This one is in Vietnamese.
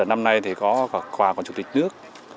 năm nay thì có quà của chủ tịch nước